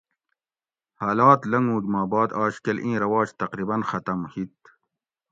حالات لنگوگ ما باد آجکل ایں رواج تقریباً ختم ھیت